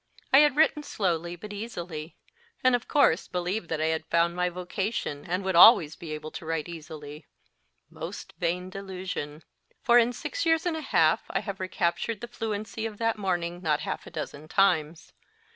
I had written slowly, but easily ; and, of course, believed that I had found my vocation, and would always be able to write easily most vain delusion ! For in six years and a half I have recaptured the fluency of that morning not half a dozen times.